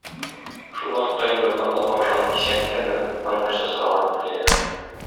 Шул вакытта инде болар Алпамшаның исән икәнлеген, аның нәрсә сораганын беләләр.